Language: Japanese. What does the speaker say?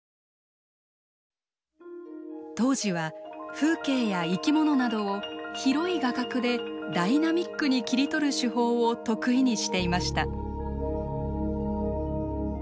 当時は風景や生きものなどを広い画角でダイナミックに切り取る手法を得意にしていました。